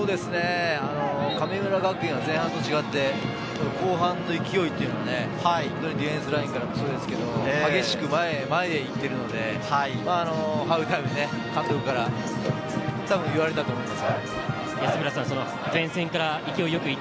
神村学園、前半と違って後半の勢い、ディフェンスラインからもそうですけれど、激しく前へ前へ行っているので、ハーフタイムに監督からたぶん言われたと思います。